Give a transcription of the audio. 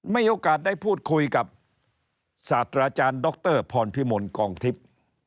มีโอกาสได้พูดคุยกับศาสตราจารย์ดรพรพิมลกองทิพย์